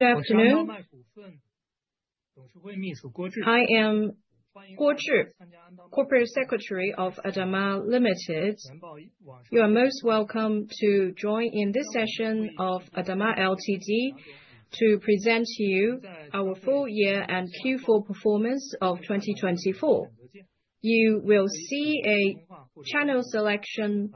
Good afternoon. I am Guo Zhi, Corporate Secretary of ADAMA Ltd. You are most welcome to join in this session of ADAMA Ltd. to present to you our full year and Q4 performance of 2024. You will see a channel selection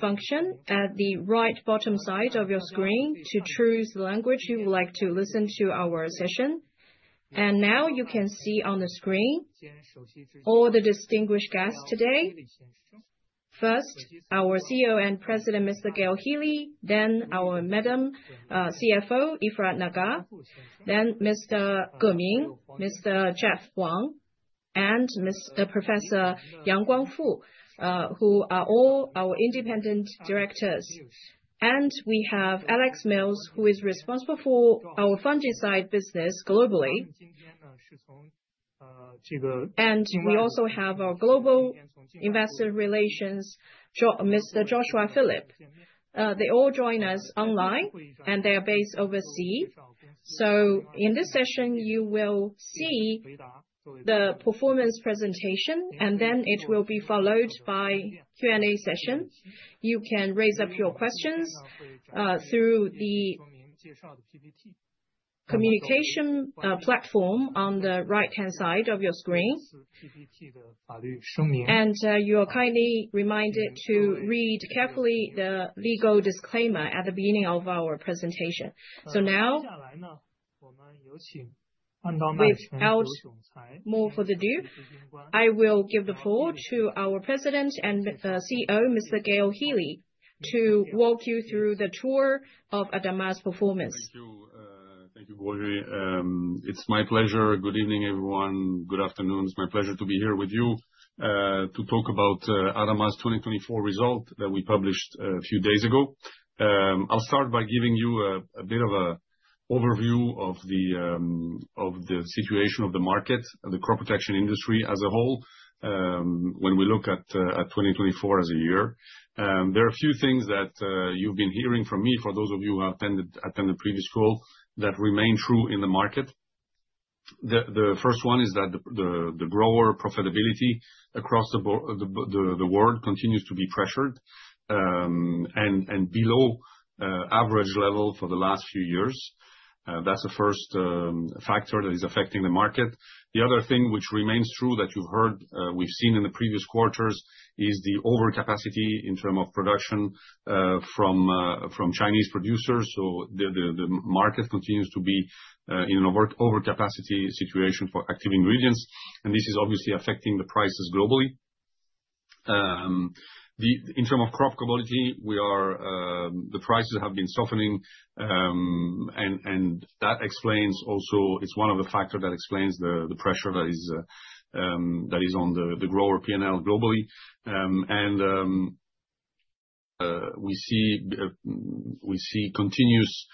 function at the right bottom side of your screen to choose the language you would like to listen to our session. You can see on the screen all the distinguished guests today. First, our CEO and President, Mr. Gaël Hili, then our Madam CFO, Efrat Nagar, then Mr. Geming, Mr. Jeff Wang, and Professor Yang Guangfu, who are all our independent directors. We have Alex Mills, who is responsible for our funding side business globally. We also have our global investor relations, Mr. Joshua Phillip. They all join us online, and they are based overseas. In this session, you will see the performance presentation, and then it will be followed by a Q&A session. You can raise up your questions through the communication platform on the right-hand side of your screen. You are kindly reminded to read carefully the legal disclaimer at the beginning of our presentation. Now, without more further ado, I will give the floor to our President and CEO, Mr. Gaël Hili, to walk you through the tour of ADAMA's performance. Thank you, Guo Zhi. It's my pleasure. Good evening, everyone. Good afternoon. It's my pleasure to be here with you to talk about ADAMA's 2024 result that we published a few days ago. I'll start by giving you a bit of an overview of the situation of the market, the crop protection industry as a whole, when we look at 2024 as a year. There are a few things that you've been hearing from me, for those of you who have attended previous calls, that remain true in the market. The first one is that the grower profitability across the world continues to be pressured and below average level for the last few years. That's the first factor that is affecting the market. The other thing which remains true that you've heard, we've seen in the previous quarters, is the overcapacity in terms of production from Chinese producers. The market continues to be in an overcapacity situation for active ingredients. This is obviously affecting the prices globally. In terms of crop quality, the prices have been softening. That explains also it's one of the factors that explains the pressure that is on the grower P&L globally. We see continuous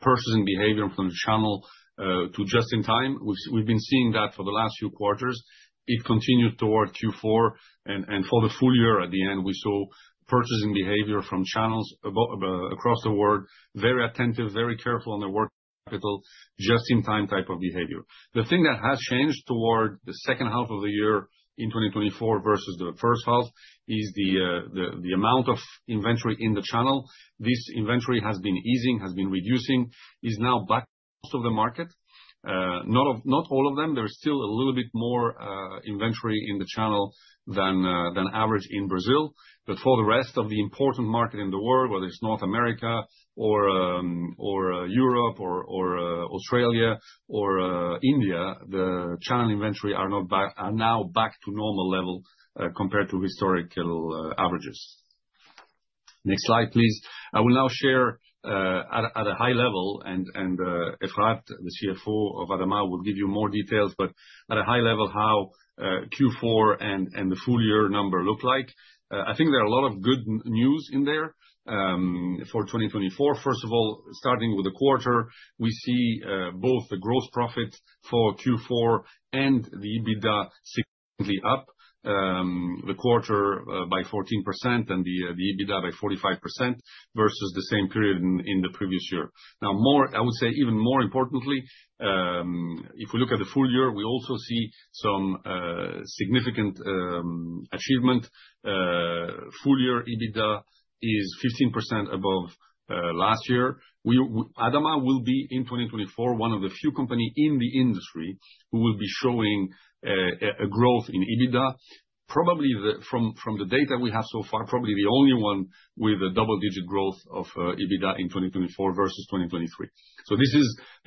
purchasing behavior from the channel to just-in-time. We've been seeing that for the last few quarters. It continued toward Q4. For the full year at the end, we saw purchasing behavior from channels across the world, very attentive, very careful on their working capital, just-in-time type of behavior. The thing that has changed toward the second half of the year in 2024 versus the first half is the amount of inventory in the channel. This inventory has been easing, has been reducing, is now back most of the market. Not all of them. There's still a little bit more inventory in the channel than average in Brazil. For the rest of the important market in the world, whether it's North America or Europe or Australia or India, the channel inventory are now back to normal level compared to historical averages. Next slide, please. I will now share at a high level, and Efrat, the CFO of ADAMA, will give you more details, but at a high level, how Q4 and the full year number look like. I think there are a lot of good news in there for 2024. First of all, starting with the quarter, we see both the gross profit for Q4 and the EBITDA significantly up, the quarter by 14% and the EBITDA by 45% versus the same period in the previous year. Now, I would say even more importantly, if we look at the full year, we also see some significant achievement. Full year EBITDA is 15% above last year. ADAMA will be in 2024 one of the few companies in the industry who will be showing a growth in EBITDA, probably from the data we have so far, probably the only one with a double-digit growth of EBITDA in 2024 versus 2023. This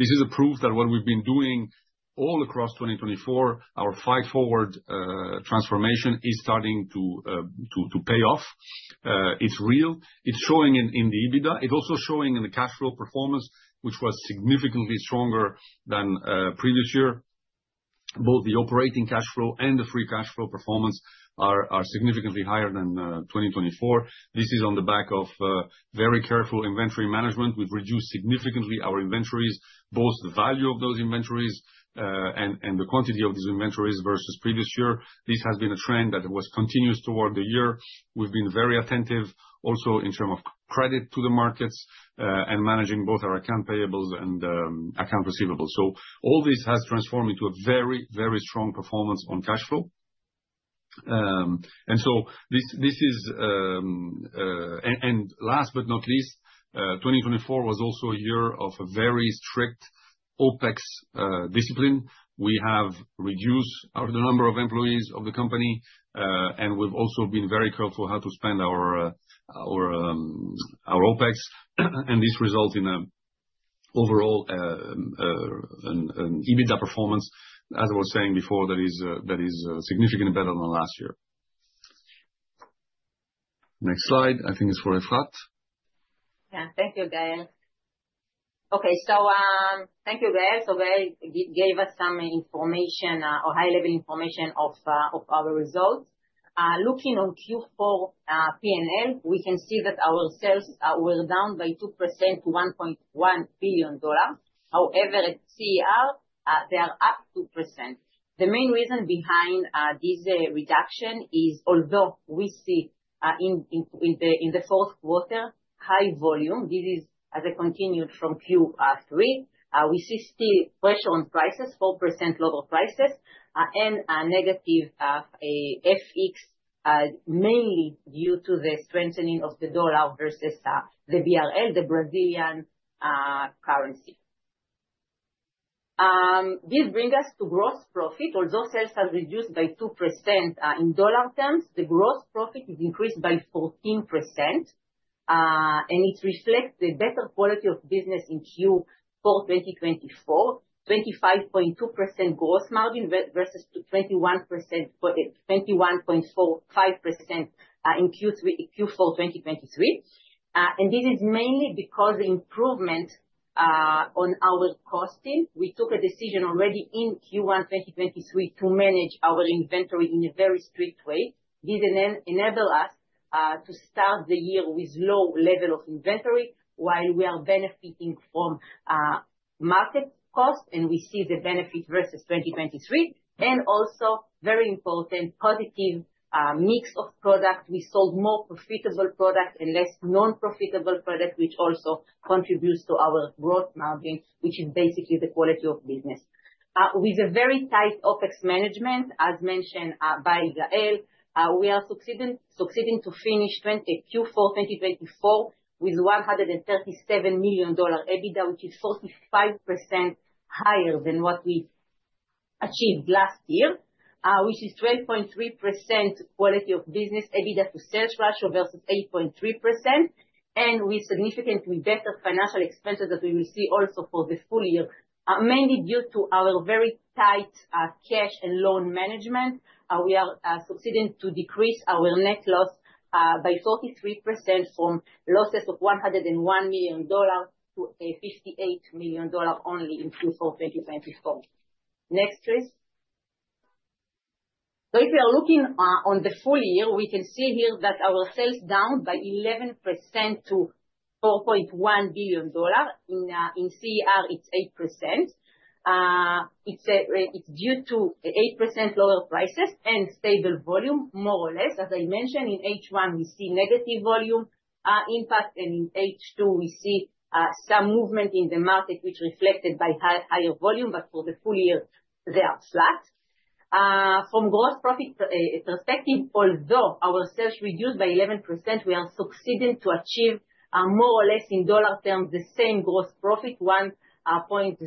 is a proof that what we've been doing all across 2024, our Fight Forward transformation is starting to pay off. It's real. It's showing in the EBITDA. It's also showing in the cash flow performance, which was significantly stronger than previous year. Both the operating cash flow and the free cash flow performance are significantly higher than 2024. This is on the back of very careful inventory management. We've reduced significantly our inventories, both the value of those inventories and the quantity of these inventories versus previous year. This has been a trend that was continuous toward the year. We've been very attentive also in terms of credit to the markets and managing both our account payables and account receivables. All this has transformed into a very, very strong performance on cash flow. Last but not least, 2024 was also a year of a very strict OpEx discipline. We have reduced the number of employees of the company, and we've also been very careful how to spend our OpEx. This resulted in overall an EBITDA performance, as I was saying before, that is significantly better than last year. Next slide, I think it's for Efrat. Yeah, thank you, Gaël. Okay, thank you, Gaël. Gaël gave us some information or high-level information of our results. Looking on Q4 P&L, we can see that our sales were down by 2% to $1.1 billion. However, at CER, they are up 2%. The main reason behind this reduction is, although we see in the fourth quarter high volume, this is as it continued from Q3, we see still pressure on prices, 4% lower prices, and a negative FX, mainly due to the strengthening of the dollar versus the BRL, the Brazilian currency. This brings us to gross profit. Although sales have reduced by 2% in dollar terms, the gross profit is increased by 14%. It reflects the better quality of business in Q4 2024, 25.2% gross margin versus 21.5% in Q4 2023. This is mainly because of the improvement on our costing. We took a decision already in Q1 2023 to manage our inventory in a very strict way. This enables us to start the year with a low level of inventory while we are benefiting from market cost, and we see the benefit versus 2023. Also, very important, positive mix of product. We sold more profitable product and less non-profitable product, which also contributes to our gross margin, which is basically the quality of business. With a very tight OpEx management, as mentioned by Gaël, we are succeeding to finish Q4 2024 with $137 million EBITDA, which is 45% higher than what we achieved last year, which is 12.3% quality of business EBITDA to sales ratio versus 8.3%. We significantly better financial expenses that we will see also for the full year, mainly due to our very tight cash and loan management. We are succeeding to decrease our net loss by 43% from losses of $101 million to $58 million only in Q4 2024. Next, please. If we are looking on the full year, we can see here that our sales down by 11% to $4.1 billion. In CER, it's 8%. It's due to 8% lower prices and stable volume, more or less. As I mentioned, in H1, we see negative volume impact, and in H2, we see some movement in the market, which is reflected by higher volume, but for the full year, they are flat. From a gross profit perspective, although our sales reduced by 11%, we are succeeding to achieve, more or less in dollar terms, the same gross profit, $1.06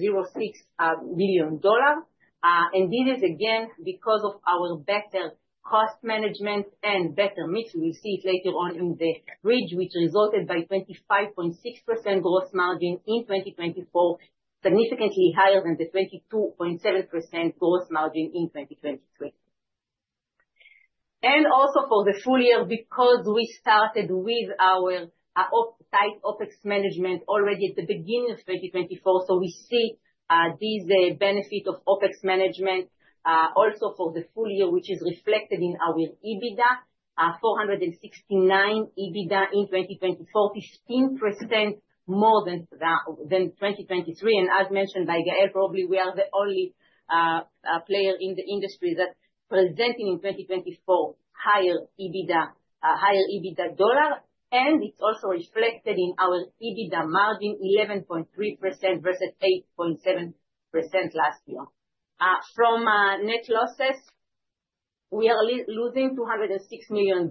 billion. This is again because of our better cost management and better mix. We'll see it later on in the bridge, which resulted in a 25.6% gross margin in 2024, significantly higher than the 22.7% gross margin in 2023. Also for the full year, because we started with our tight OpEx management already at the beginning of 2024, we see this benefit of OpEx management also for the full year, which is reflected in our EBITDA, $469 million EBITDA in 2024, 15% more than 2023. As mentioned by Gaël, probably we are the only player in the industry that is presenting in 2024 higher EBITDA dollar. It's also reflected in our EBITDA margin, 11.3% versus 8.7% last year. From net losses, we are losing $206 million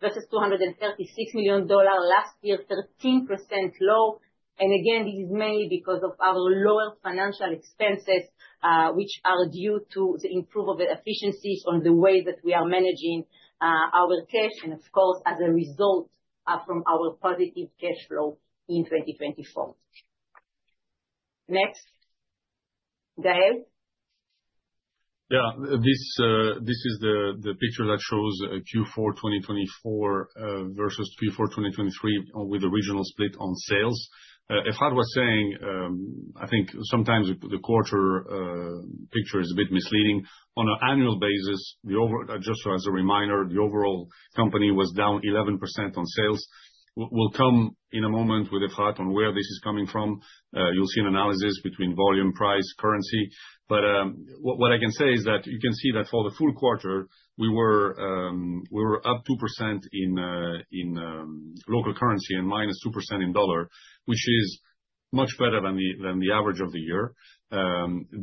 versus $236 million last year, 13% low. This is mainly because of our lower financial expenses, which are due to the improvement of efficiencies on the way that we are managing our cash, and of course, as a result from our positive cash flow in 2024. Next, Gaël. Yeah, this is the picture that shows Q4 2024 versus Q4 2023 with the regional split on sales. Efrat was saying, I think sometimes the quarter picture is a bit misleading. On an annual basis, just as a reminder, the overall company was down 11% on sales. We'll come in a moment with Efrat on where this is coming from. You'll see an analysis between volume, price, currency. What I can say is that you can see that for the full quarter, we were up 2% in local currency and -2% in dollar, which is much better than the average of the year,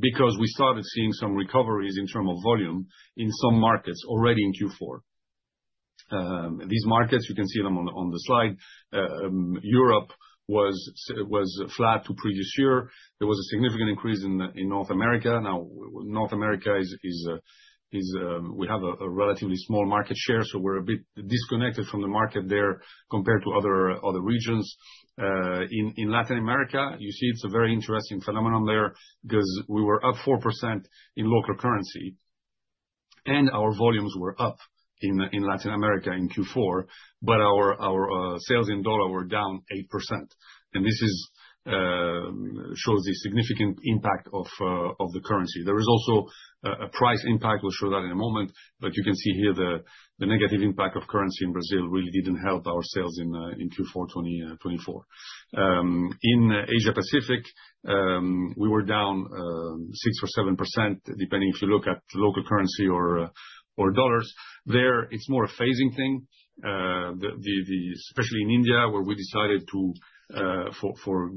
because we started seeing some recoveries in terms of volume in some markets already in Q4. These markets, you can see them on the slide. Europe was flat to previous year. There was a significant increase in North America. Now, North America, we have a relatively small market share, so we're a bit disconnected from the market there compared to other regions. In Latin America, you see it's a very interesting phenomenon there because we were up 4% in local currency, and our volumes were up in Latin America in Q4, but our sales in dollar were down 8%. This shows the significant impact of the currency. There is also a price impact. We'll show that in a moment. You can see here the negative impact of currency in Brazil really didn't help our sales in Q4 2024. In Asia-Pacific, we were down 6% or 7%, depending if you look at local currency or dollars. There, it's more a phasing thing, especially in India, where we decided for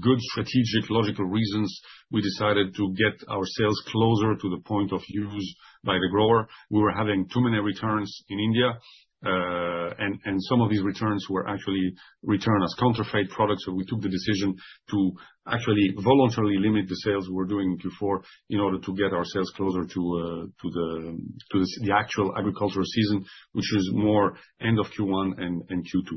good strategic logical reasons, we decided to get our sales closer to the point of use by the grower. We were having too many returns in India. And some of these returns were actually returned as counterfeit products. We took the decision to actually voluntarily limit the sales we were doing in Q4 in order to get our sales closer to the actual agricultural season, which was more end of Q1 and Q2.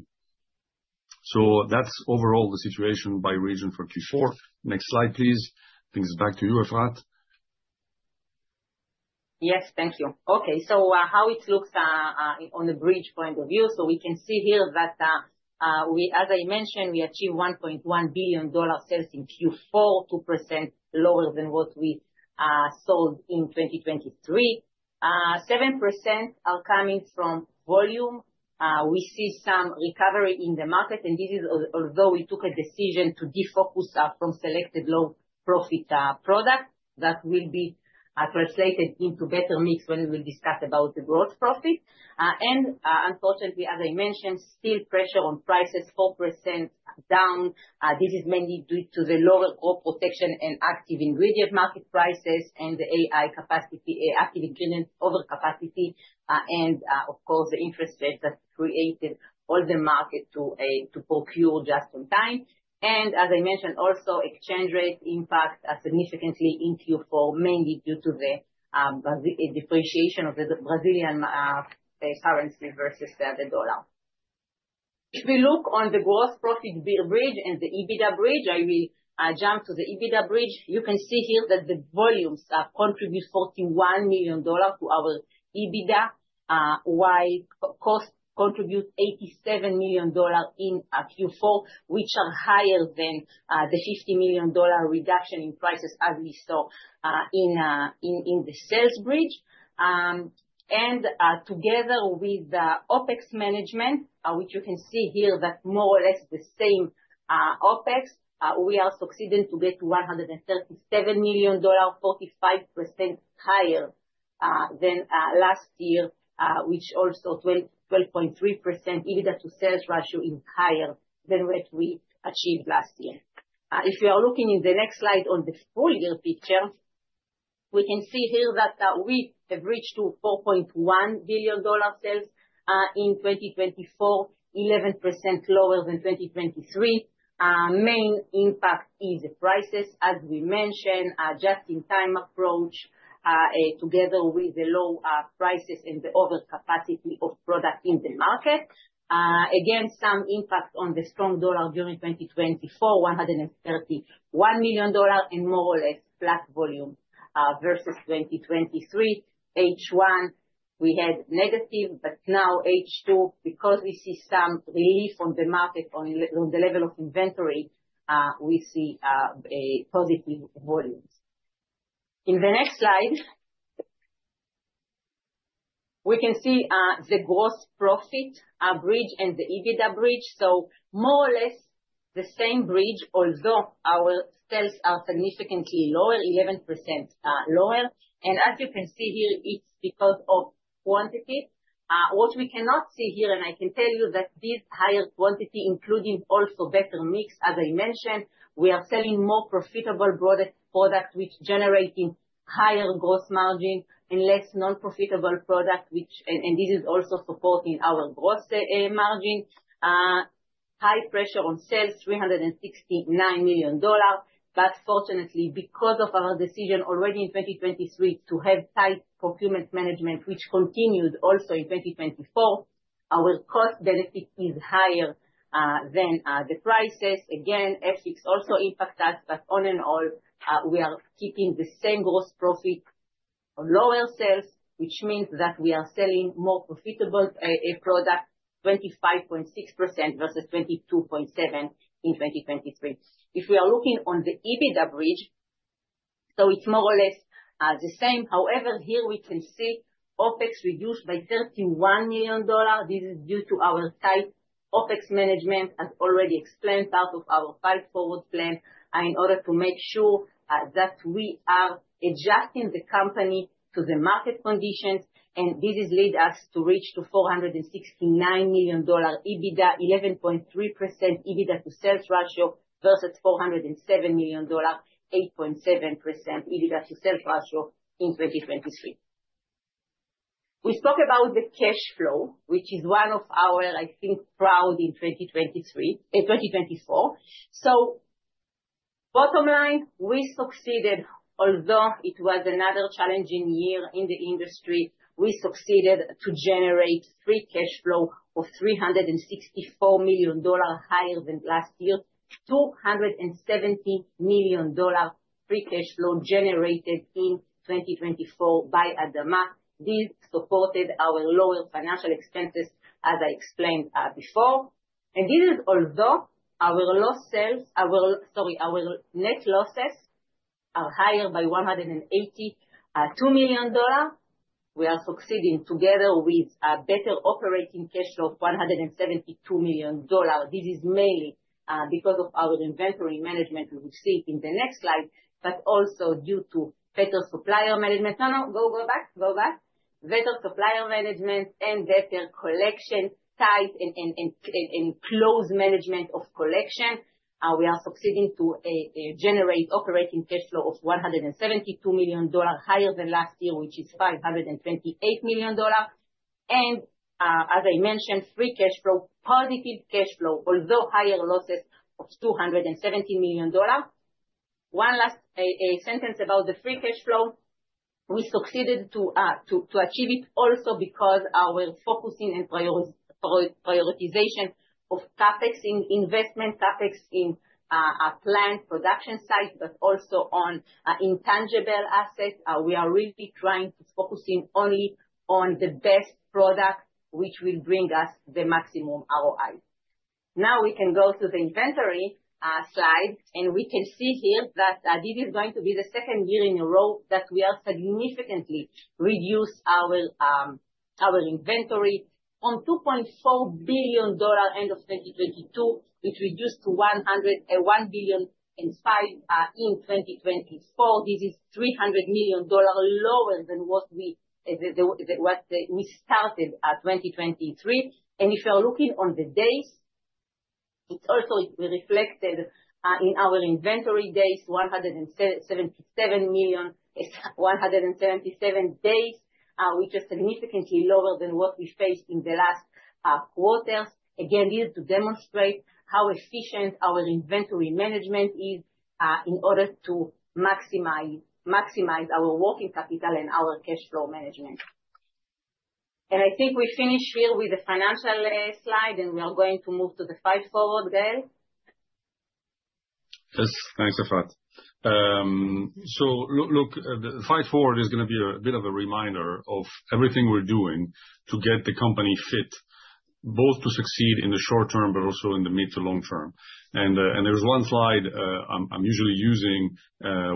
That is overall the situation by region for Q4. Next slide, please. I think it's back to you, Efrat. Yes, thank you. Okay, how it looks on the bridge point of view. We can see here that, as I mentioned, we achieved $1.1 billion sales in Q4, 2% lower than what we sold in 2023. 7% are coming from volume. We see some recovery in the market. This is although we took a decision to defocus from selected low profit product that will be translated into better mix when we will discuss about the gross profit. Unfortunately, as I mentioned, still pressure on prices, 4% down. This is mainly due to the lower crop protection and active ingredient market prices and the AI capacity, active ingredient overcapacity, and of course, the interest rate that created all the market to procure just in time. As I mentioned, also exchange rate impact significantly in Q4, mainly due to the depreciation of the Brazilian currency versus the dollar. If we look on the gross profit bridge and the EBITDA bridge, I will jump to the EBITDA bridge. You can see here that the volumes contribute $41 million to our EBITDA, while cost contributes $87 million in Q4, which are higher than the $50 million reduction in prices as we saw in the sales bridge. Together with the OpEx management, which you can see here that more or less the same OpEx, we are succeeding to get to $137 million, 45% higher than last year, which also 12.3% EBITDA to sales ratio is higher than what we achieved last year. If you are looking in the next slide on the full year picture, we can see here that we have reached to $4.1 billion sales in 2024, 11% lower than 2023. Main impact is prices, as we mentioned, just-in-time approach together with the low prices and the overcapacity of product in the market. Again, some impact on the strong dollar during 2024, $131 million and more or less flat volume versus 2023. H1, we had negative, but now H2, because we see some relief on the market on the level of inventory, we see positive volumes. In the next slide, we can see the gross profit bridge and the EBITDA bridge. More or less the same bridge, although our sales are significantly lower, 11% lower. As you can see here, it's because of quantity. What we cannot see here, and I can tell you that this higher quantity, including also better mix, as I mentioned, we are selling more profitable product, which generates higher gross margin and less non-profitable product, and this is also supporting our gross margin. High pressure on sales, $369 million. Fortunately, because of our decision already in 2023 to have tight procurement management, which continued also in 2024, our cost benefit is higher than the prices. Again, FX also impacts us, but all in all, we are keeping the same gross profit on lower sales, which means that we are selling more profitable product, 25.6% versus 22.7% in 2023. If we are looking on the EBITDA bridge, it is more or less the same. However, here we can see OpEx reduced by $31 million. This is due to our tight OpEx management, as already explained, part of our Fight Forward plan in order to make sure that we are adjusting the company to the market conditions. This has led us to reach to $469 million EBITDA, 11.3% EBITDA to sales ratio versus $407 million, 8.7% EBITDA to sales ratio in 2023. We spoke about the cash flow, which is one of our, I think, proud in 2023, 2024. Bottom line, we succeeded, although it was another challenging year in the industry, we succeeded to generate free cash flow of $364 million higher than last year, $270 million free cash flow generated in 2024 by ADAMA. This supported our lower financial expenses, as I explained before. This is although our lost sales, sorry, our net losses are higher by $182 million. We are succeeding together with a better operating cash flow of $172 million. This is mainly because of our inventory management, which we will see in the next slide, but also due to better supplier management. No, no, go back, go back. Better supplier management and better collection, tight and close management of collection. We are succeeding to generate operating cash flow of $172 million higher than last year, which is $528 million. As I mentioned, free cash flow, positive cash flow, although higher losses of $270 million. One last sentence about the free cash flow. We succeeded to achieve it also because our focusing and prioritization of CapEx in investment, CapEx in planned production sites, but also on intangible assets. We are really trying to focus in only on the best product, which will bring us the maximum ROI. Now we can go to the inventory slide, and we can see here that this is going to be the second year in a row that we are significantly reducing our inventory. On $2.4 billion end of 2022, it reduced to $101 billion in 2024. This is $300 million lower than what we started at 2023. If you're looking on the days, it also reflected in our inventory days, 177 days, which is significantly lower than what we faced in the last quarters. This is to demonstrate how efficient our inventory management is in order to maximize our working capital and our cash flow management. I think we finish here with the financial slide, and we are going to move to the Fight Forward, Gaël. Yes, thanks, Efrat. Look, the Fight Forward is going to be a bit of a reminder of everything we're doing to get the company fit, both to succeed in the short term, but also in the mid to long term. There is one slide I'm usually using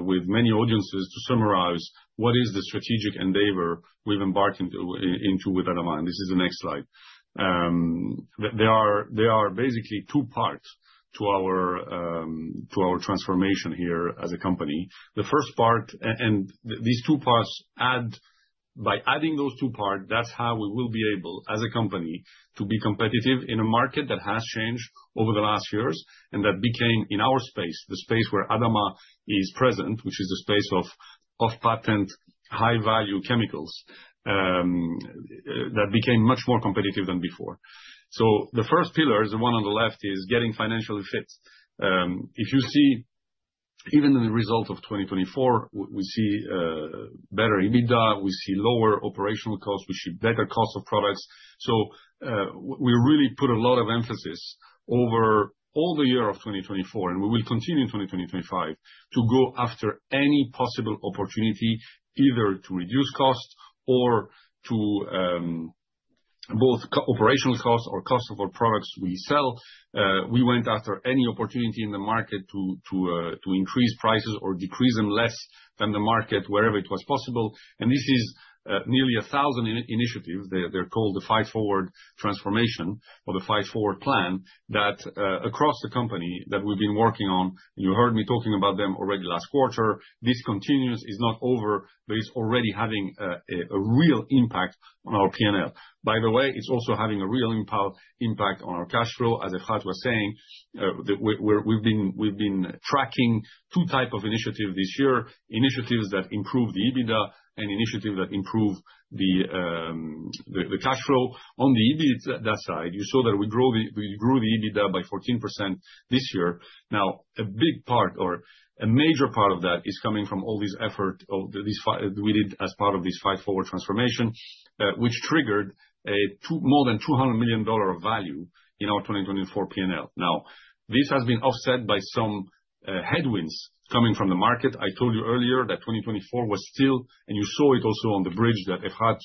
with many audiences to summarize what is the strategic endeavor we've embarked into with ADAMA. This is the next slide. There are basically two parts to our transformation here as a company. The first part, and these two parts add, by adding those two parts, that's how we will be able as a company to be competitive in a market that has changed over the last years and that became in our space, the space where ADAMA is present, which is the space of off-patent high-value chemicals that became much more competitive than before. The first pillar, the one on the left, is getting financially fit. If you see even in the result of 2024, we see better EBITDA, we see lower operational costs, we see better cost of products. We really put a lot of emphasis over all the year of 2024, and we will continue in 2025 to go after any possible opportunity either to reduce costs or to both operational costs or cost of our products we sell. We went after any opportunity in the market to increase prices or decrease them less than the market wherever it was possible. This is nearly a thousand initiatives. They are called the Fight Forward transformation or the Fight Forward plan that across the company that we've been working on. You heard me talking about them already last quarter. This continues, is not over, but it's already having a real impact on our P&L. By the way, it's also having a real impact on our cash flow. As Efrat was saying, we've been tracking two types of initiatives this year, initiatives that improve the EBITDA and initiatives that improve the cash flow. On the EBITDA side, you saw that we grew the EBITDA by 14% this year. Now, a big part or a major part of that is coming from all this effort that we did as part of this Fight Forward transformation, which triggered more than $200 million of value in our 2024 P&L. Now, this has been offset by some headwinds coming from the market. I told you earlier that 2024 was still, and you saw it also on the bridge that Efrat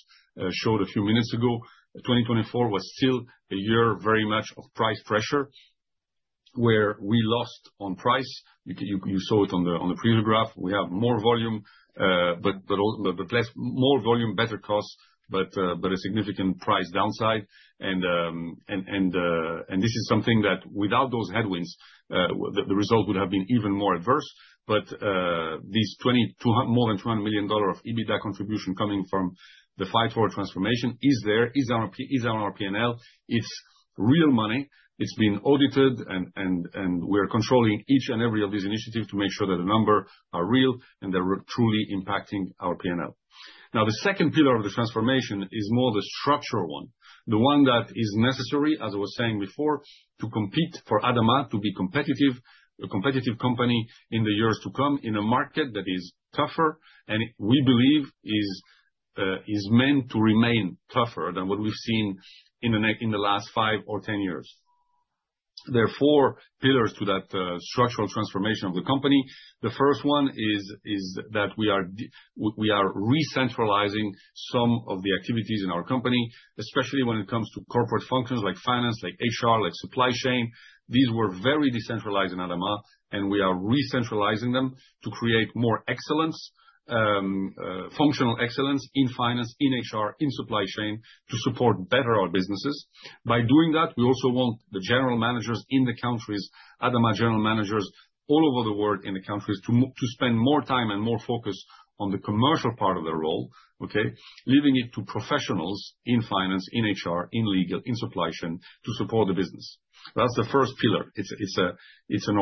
showed a few minutes ago, 2024 was still a year very much of price pressure where we lost on price. You saw it on the previous graph. We have more volume, but more volume, better costs, but a significant price downside. This is something that without those headwinds, the result would have been even more adverse. This more than $200 million of EBITDA contribution coming from the Fight Forward transformation is there, is on our P&L. It's real money. It's been audited, and we're controlling each and every of these initiatives to make sure that the numbers are real and they're truly impacting our P&L. Now, the second pillar of the transformation is more the structural one, the one that is necessary, as I was saying before, to compete for ADAMA, to be a competitive company in the years to come in a market that is tougher and we believe is meant to remain tougher than what we've seen in the last five or ten years. There are four pillars to that structural transformation of the company. The first one is that we are recentralizing some of the activities in our company, especially when it comes to corporate functions like finance, like HR, like supply chain. These were very decentralized in ADAMA, and we are recentralizing them to create more excellence, functional excellence in finance, in HR, in supply chain to support better our businesses. By doing that, we also want the general managers in the countries, ADAMA general managers all over the world in the countries to spend more time and more focus on the commercial part of their role, okay, leaving it to professionals in finance, in HR, in legal, in supply chain to support the business. That's the first pillar. It's an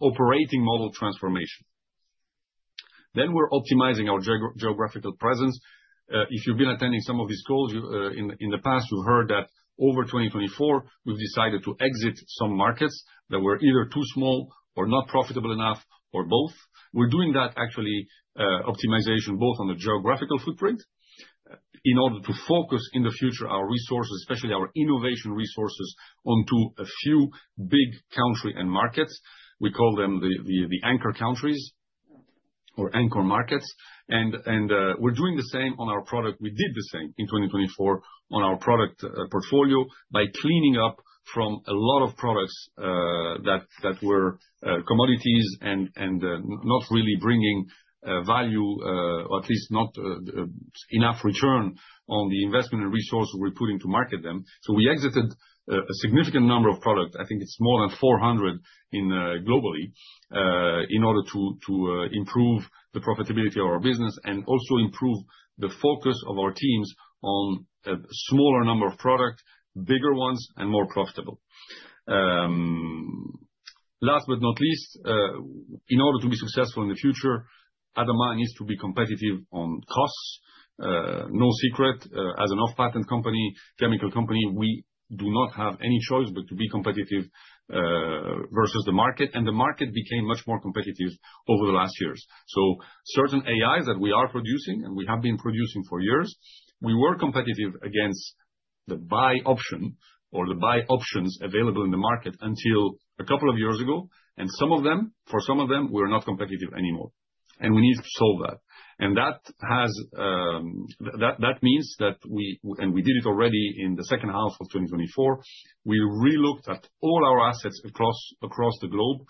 operating model transformation. Then we're optimizing our geographical presence. If you've been attending some of these calls in the past, you've heard that over 2024, we've decided to exit some markets that were either too small or not profitable enough or both. We're doing that actually optimization both on the geographical footprint in order to focus in the future our resources, especially our innovation resources onto a few big country and markets. We call them the anchor countries or anchor markets. And we're doing the same on our product. We did the same in 2024 on our product portfolio by cleaning up from a lot of products that were commodities and not really bringing value, or at least not enough return on the investment and resources we're putting to market them. We exited a significant number of products. I think it's more than 400 globally in order to improve the profitability of our business and also improve the focus of our teams on a smaller number of products, bigger ones, and more profitable. Last but not least, in order to be successful in the future, ADAMA needs to be competitive on costs. No secret, as an off-patent company, chemical company, we do not have any choice but to be competitive versus the market. The market became much more competitive over the last years. Certain AIs that we are producing and we have been producing for years, we were competitive against the buy option or the buy options available in the market until a couple of years ago. For some of them, we're not competitive anymore. We need to solve that. That means that we—and we did it already in the second half of 2024—we re-looked at all our assets across the globe.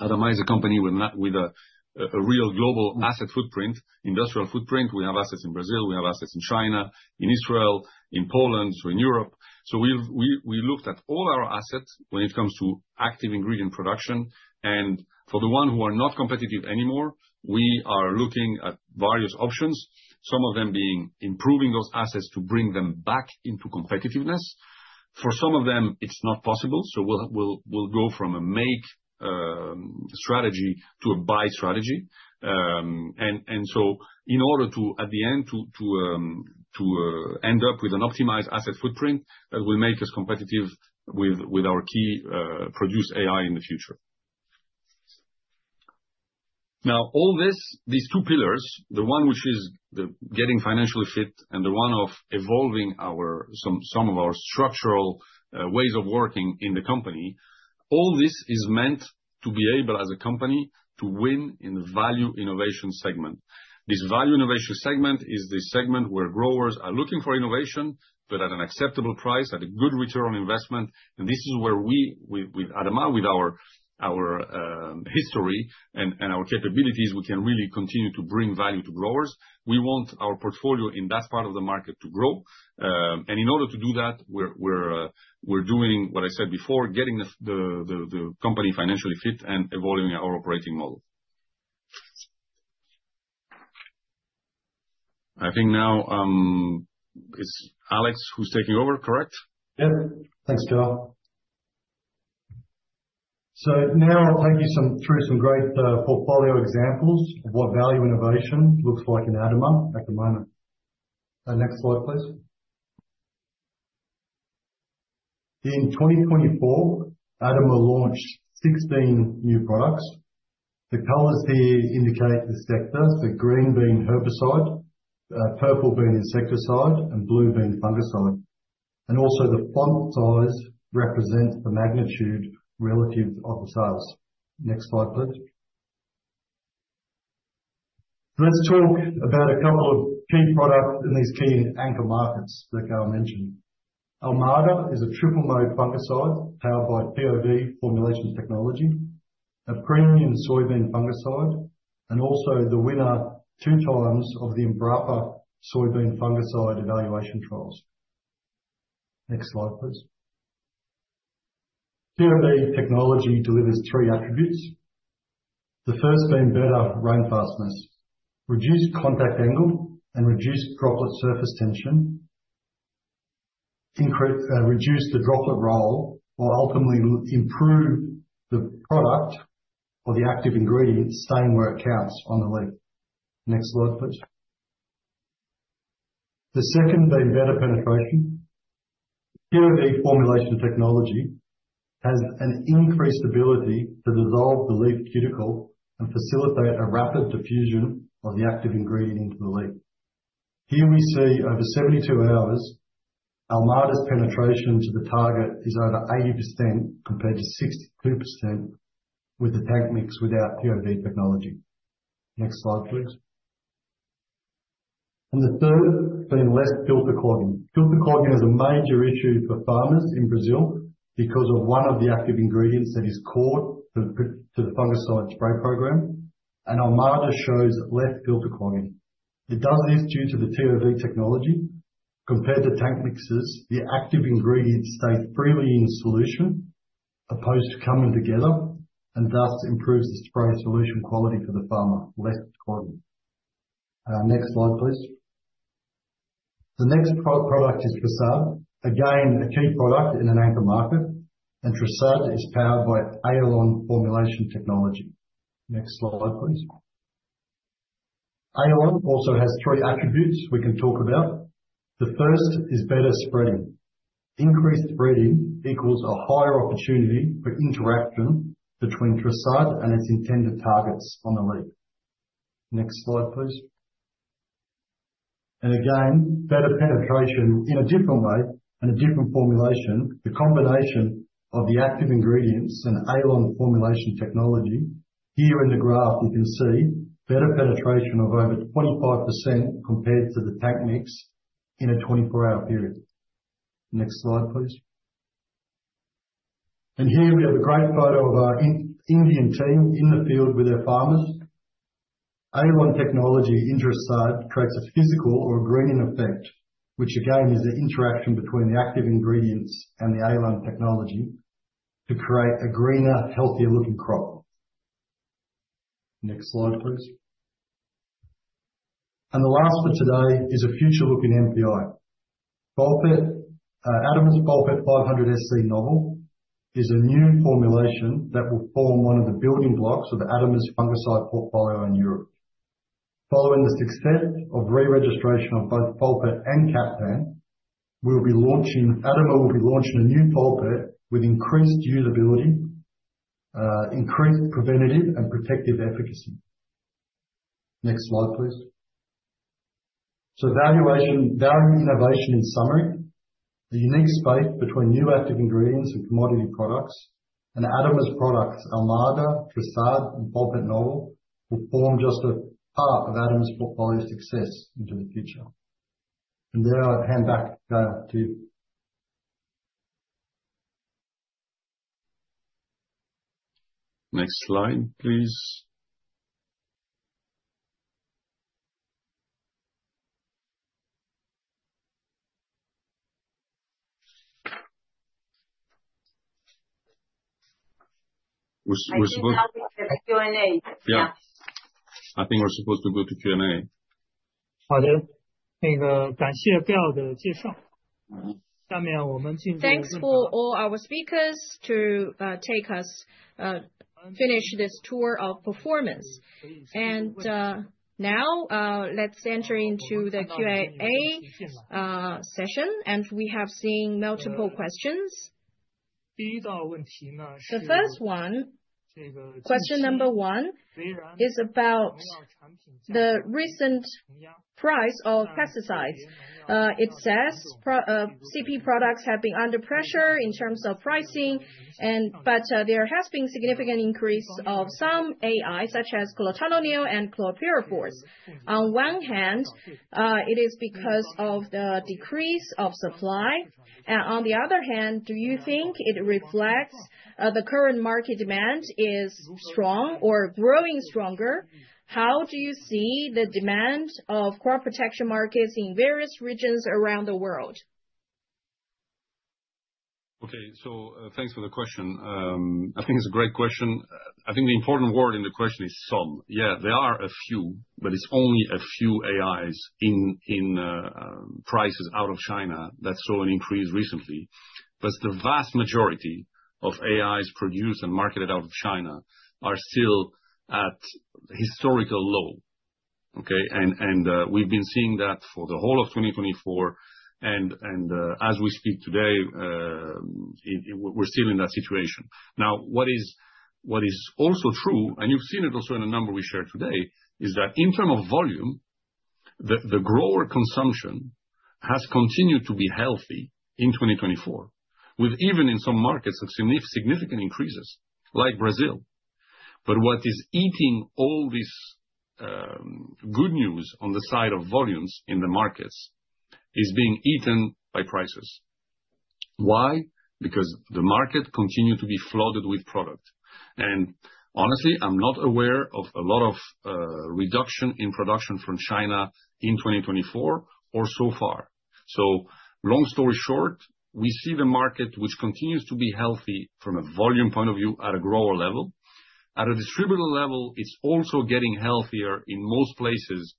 ADAMA is a company with a real global asset footprint, industrial footprint. We have assets in Brazil. We have assets in China, in Israel, in Poland, so in Europe. We looked at all our assets when it comes to active ingredient production. For the ones who are not competitive anymore, we are looking at various options, some of them being improving those assets to bring them back into competitiveness. For some of them, it's not possible. We'll go from a make strategy to a buy strategy. In order to, at the end, end up with an optimized asset footprint that will make us competitive with our key produced AI in the future. Now, all this, these two pillars, the one which is getting financially fit and the one of evolving some of our structural ways of working in the company, all this is meant to be able as a company to win in the value innovation segment. This value innovation segment is the segment where growers are looking for innovation, but at an acceptable price, at a good return on investment. This is where we, with ADAMA, with our history and our capabilities, we can really continue to bring value to growers. We want our portfolio in that part of the market to grow. In order to do that, we're doing what I said before, getting the company financially fit and evolving our operating model. I think now it's Alex who's taking over, correct? Yep. Thanks, Gaël. Now I'll take you through some great portfolio examples of what value innovation looks like in ADAMA at the moment. Next slide, please. In 2024, ADAMA launched 16 new products. The colors here indicate the sectors, the green being herbicide, purple being insecticide, and blue being fungicide. Also, the font size represents the magnitude relative of the size. Next slide, please. Let's talk about a couple of key products in these key anchor markets that I'll mention. Almada is a triple-mode fungicide powered by POD formulation technology, a premium soybean fungicide, and also the winner two times of the Embrapa soybean fungicide evaluation trials. Next slide, please. POD technology delivers three attributes, the first being better rainfastness, reduced contact angle, and reduced droplet surface tension, reduced the droplet roll, or ultimately improved the product or the active ingredient staying where it counts on the leaf. Next slide, please. The second being better penetration. POD formulation technology has an increased ability to dissolve the leaf cuticle and facilitate a rapid diffusion of the active ingredient into the leaf. Here we see over 72 hours, Almada's penetration to the target is over 80% compared to 62% with the tank mix without POD technology. Next slide, please. The third being less filter clogging. Filter clogging is a major issue for farmers in Brazil because of one of the active ingredients that is core to the fungicide spray program. Almada shows less filter clogging. It does this due to the POD technology. Compared to tank mixes, the active ingredients stay freely in solution as opposed to coming together and thus improves the spray solution quality for the farmer, less clogging. Next slide, please. The next product is Trisad. Again, a key product in an anchor market. Trisad is powered by AOLON formulation technology. Next slide, please. AOLON also has three attributes we can talk about. The first is better spreading. Increased spreading equals a higher opportunity for interaction between Trisad and its intended targets on the leaf. Next slide, please. Again, better penetration in a different way and a different formulation, the combination of the active ingredients and AOLON formulation technology. Here in the graph, you can see better penetration of over 25% compared to the tank mix in a 24-hour period. Next slide, please. Here we have a great photo of our Indian team in the field with their farmers. AOLON technology in Trisad creates a physical or a greening effect, which again is an interaction between the active ingredients and the AOLON technology to create a greener, healthier-looking crop. Next slide, please. The last for today is a future-looking MPI. ADAMA's Folpet 500 SC novel is a new formulation that will form one of the building blocks of ADAMA's fungicide portfolio in Europe. Following the success of re-registration of both Folpet and Catpan, we will be launching a new Folpet with increased usability, increased preventative and protective efficacy. Next slide, please. Value innovation in summary, the unique space between new active ingredients and commodity products and ADAMA's products, Almada, Trisad, and Folpet novel will form just a part of ADAMA's portfolio success into the future. There I hand back to you. Next slide, please. We're supposed to go to Q&A. Yeah. I think we're supposed to go to Q&A. Thanks for all our speakers to take us finish this tour of performance. Now let's enter into the Q&A session, and we have seen multiple questions. The first one, question number one, is about the recent price of pesticides. It says CP products have been under pressure in terms of pricing, but there has been significant increase of some AI, such as chlorothalonil and chlorpyrifos. On one hand, it is because of the decrease of supply. On the other hand, do you think it reflects the current market demand is strong or growing stronger? How do you see the demand of crop protection markets in various regions around the world? Okay, thanks for the question. I think it's a great question. I think the important word in the question is some. Yeah, there are a few, but it's only a few AIs in prices out of China that saw an increase recently. The vast majority of AIs produced and marketed out of China are still at historical low. Okay? We've been seeing that for the whole of 2024. As we speak today, we're still in that situation. What is also true, and you've seen it also in a number we shared today, is that in terms of volume, the grower consumption has continued to be healthy in 2024, with even in some markets of significant increases like Brazil. What is eating all this good news on the side of volumes in the markets is being eaten by prices. Why? Because the market continued to be flooded with product. Honestly, I'm not aware of a lot of reduction in production from China in 2024 or so far. Long story short, we see the market, which continues to be healthy from a volume point of view at a grower level. At a distributor level, it's also getting healthier in most places,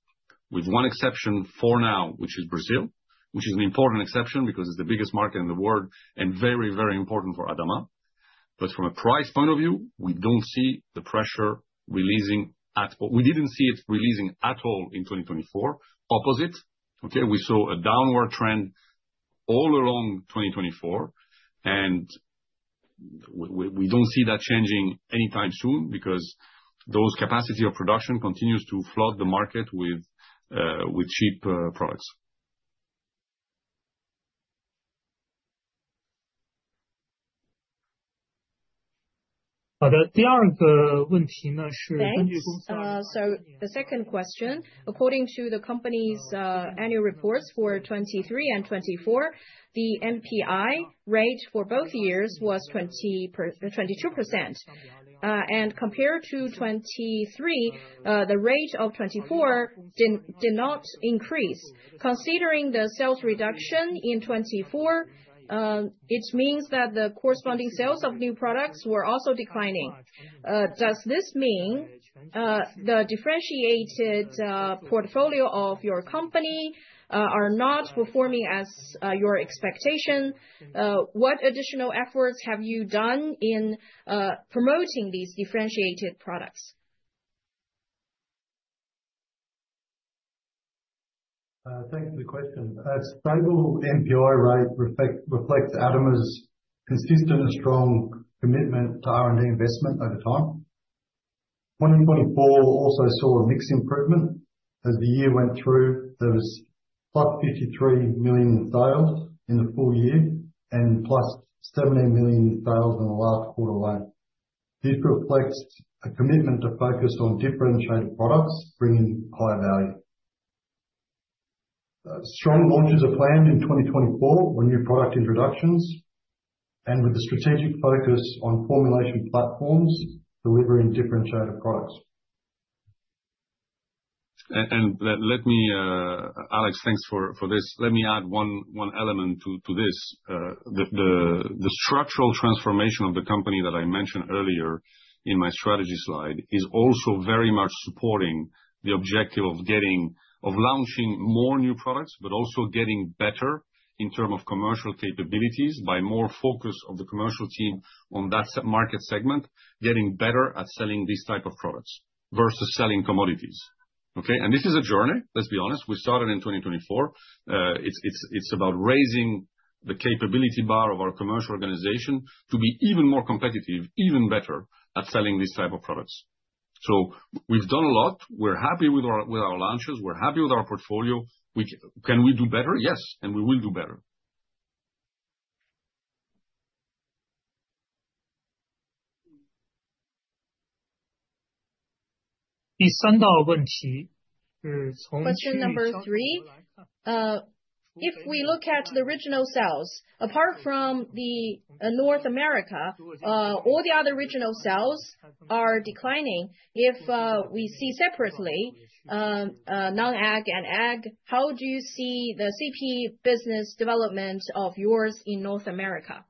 with one exception for now, which is Brazil, which is an important exception because it's the biggest market in the world and very, very important for ADAMA. From a price point of view, we don't see the pressure releasing at all. We didn't see it releasing at all in 2024. Opposite, okay? We saw a downward trend all along 2024. We don't see that changing anytime soon because those capacities of production continue to flood the market with cheap products. Thank you. The second question, according to the company's annual reports for 2023 and 2024, the MPI rate for both years was 22%. Compared to 2023, the rate of 2024 did not increase. Considering the sales reduction in 2024, it means that the corresponding sales of new products were also declining. Does this mean the differentiated portfolio of your company is not performing as your expectation? What additional efforts have you done in promoting these differentiated products? Thanks for the question. Stable MPI rate reflects ADAMA's consistent and strong commitment to R&D investment over time. 2024 also saw a mixed improvement. As the year went through, there was +$53 million sales in the full year and +$70 million sales in the last quarter alone. This reflects a commitment to focus on differentiated products bringing higher value. Strong launches are planned in 2024 with new product introductions and with the strategic focus on formulation platforms delivering differentiated products. Let me, Alex, thanks for this. Let me add one element to this. The structural transformation of the company that I mentioned earlier in my strategy slide is also very much supporting the objective of launching more new products, but also getting better in terms of commercial capabilities by more focus of the commercial team on that market segment, getting better at selling these types of products versus selling commodities. Okay? This is a journey, let's be honest. We started in 2024. It's about raising the capability bar of our commercial organization to be even more competitive, even better at selling these types of products. We've done a lot. We're happy with our launches. We're happy with our portfolio. Can we do better? Yes, and we will do better. Question number three, if we look at the regional sales, apart from North America, all the other regional sales are declining. If we see separately non-ag and ag, how do you see the CP business development of yours in North America?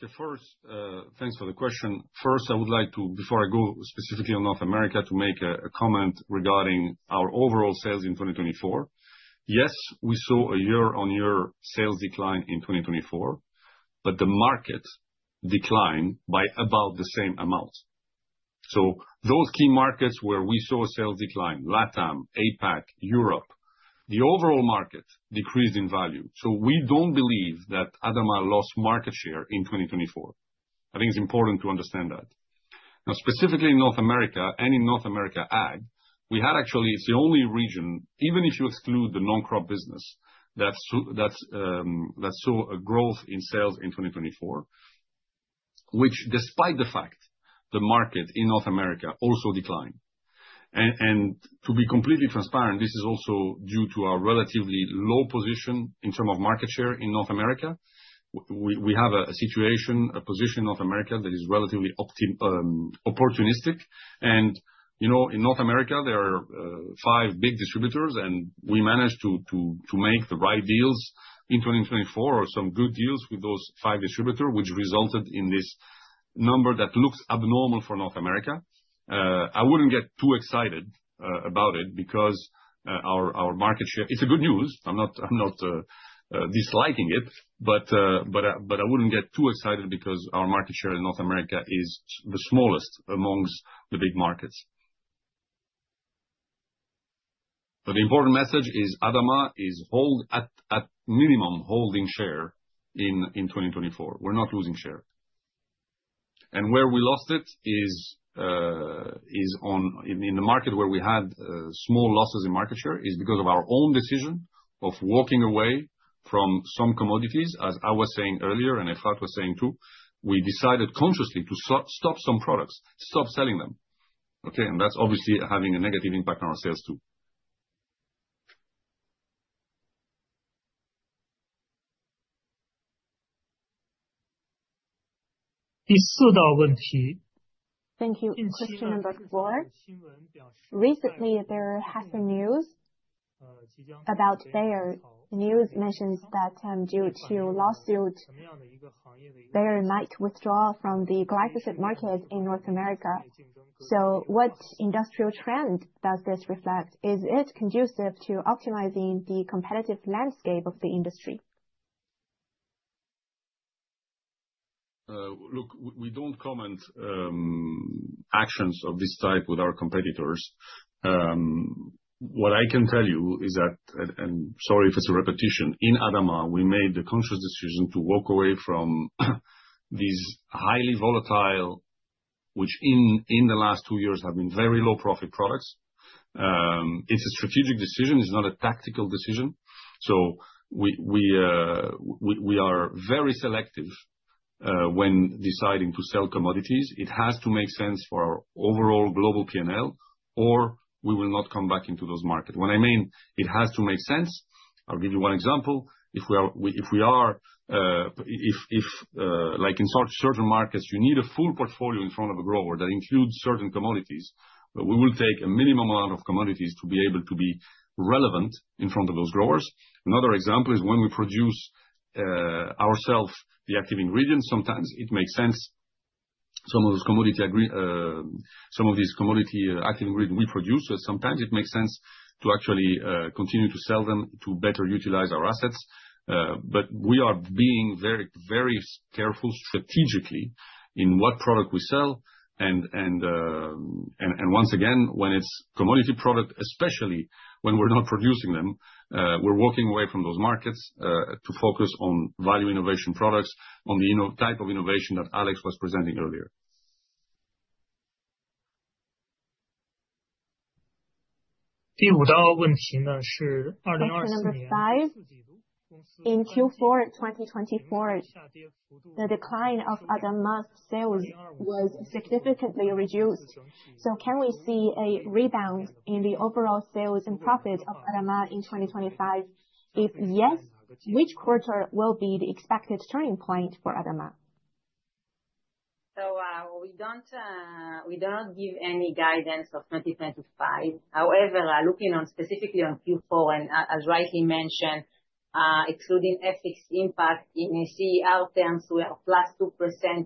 Thanks for the question. First, I would like to, before I go specifically on North America, to make a comment regarding our overall sales in 2024. Yes, we saw a year-on-year sales decline in 2024, but the market declined by about the same amount. Those key markets where we saw sales decline, LATAM, APAC, Europe, the overall market decreased in value. We do not believe that ADAMA lost market share in 2024. I think it is important to understand that. Now, specifically in North America and in North America ag, we had actually, it is the only region, even if you exclude the non-crop business, that saw a growth in sales in 2024, which despite the fact, the market in North America also declined. To be completely transparent, this is also due to our relatively low position in terms of market share in North America. We have a situation, a position in North America that is relatively opportunistic. In North America, there are five big distributors, and we managed to make the right deals in 2024 or some good deals with those five distributors, which resulted in this number that looks abnormal for North America. I would not get too excited about it because our market share, it is good news. I am not disliking it, but I would not get too excited because our market share in North America is the smallest amongst the big markets. The important message is ADAMA is at minimum holding share in 2024. We are not losing share. Where we lost it is in the market where we had small losses in market share is because of our own decision of walking away from some commodities, as I was saying earlier, and Efrat was saying too. We decided consciously to stop some products, stop selling them. Okay? That is obviously having a negative impact on our sales too. Thank you. Question number four. Recently, there has been news about Bayer. The news mentions that due to lawsuit, Bayer might withdraw from the glyphosate market in North America. What industrial trend does this reflect? Is it conducive to optimizing the competitive landscape of the industry? Look, we do not comment on actions of this type with our competitors. What I can tell you is that, and sorry if it is a repetition, in ADAMA, we made the conscious decision to walk away from these highly volatile, which in the last two years have been very low-profit products. It is a strategic decision. It is not a tactical decision. We are very selective when deciding to sell commodities. It has to make sense for our overall global P&L, or we will not come back into those markets. When I mean it has to make sense, I will give you one example. If like in certain markets, you need a full portfolio in front of a grower that includes certain commodities, we will take a minimum amount of commodities to be able to be relevant in front of those growers. Another example is when we produce ourselves the active ingredients, sometimes it makes sense. Some of these commodity active ingredients we produce, sometimes it makes sense to actually continue to sell them to better utilize our assets. We are being very, very careful strategically in what product we sell. Once again, when it's a commodity product, especially when we're not producing them, we're walking away from those markets to focus on value innovation products, on the type of innovation that Alex was presenting earlier. Thank you. In Q4 2024, the decline of ADAMA's sales was significantly reduced. Can we see a rebound in the overall sales and profit of ADAMA in 2025? If yes, which quarter will be the expected turning point for ADAMA? We do not give any guidance of 2025. However, looking specifically on Q4, and as rightly mentioned, excluding ethics impact, in CER terms, we are +2%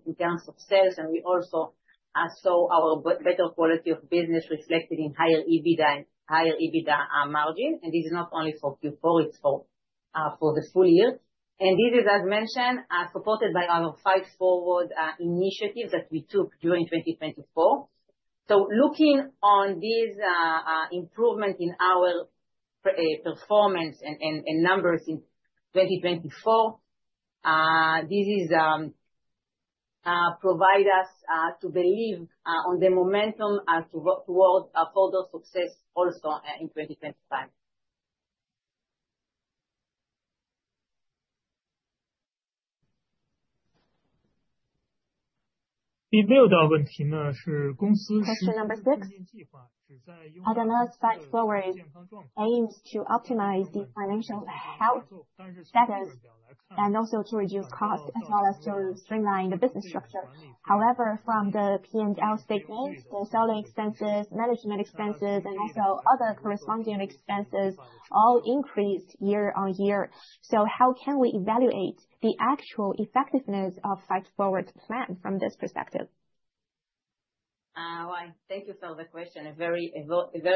in terms of sales. We also saw our better quality of business reflected in higher EBITDA margin. This is not only for Q4, it is for the full year. This is, as mentioned, supported by our Fight Forward initiatives that we took during 2024. Looking on this improvement in our performance and numbers in 2024, this is providing us to believe on the momentum towards further success also in 2025. Question number six. ADAMA's Fight Forward aims to optimize the financial health status and also to reduce costs as well as to streamline the business structure. However, from the P&L statements, the selling expenses, management expenses, and also other corresponding expenses all increased year on year. How can we evaluate the actual effectiveness of Fight Forward's plan from this perspective? Thank you for the question. A very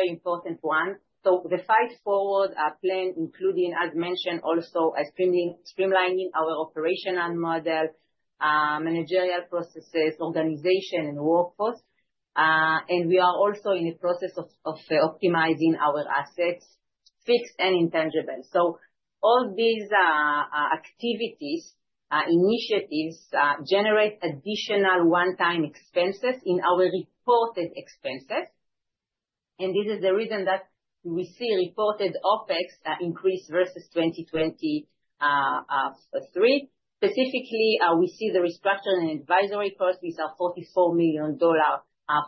important one. The Fight Forward plan, including, as mentioned, also streamlining our operational model, managerial processes, organization, and workforce. We are also in the process of optimizing our assets, fixed and intangible. All these activities, initiatives generate additional one-time expenses in our reported expenses. This is the reason that we see reported OpEx increase versus 2023. Specifically, we see the restructuring and advisory cost, which are $44 million